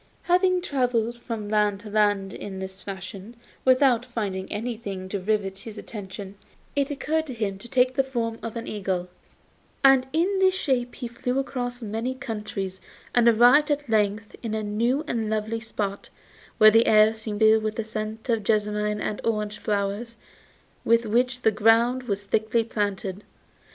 Having travelled from land to land in this fashion without finding anything to rivet his attention, it occurred to him to take the form of an eagle, and in this shape he flew across many countries and arrived at length in a new and lovely spot, where the air seemed filled with the scent of jessamine and orange flowers with which the ground was thickly planted.